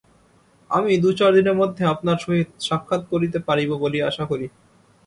আমি দু-চার দিনের মধ্যে আপনার সহিত সাক্ষাৎ করিতে পারিব বলিয়া আশা করি।